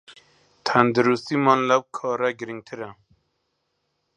تەندروستیمان لەو کارە گرنگترە